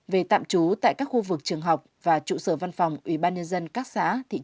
về tạm trú tại các khu vực trường học và trụ sở văn phòng ubnd các xã thị trấn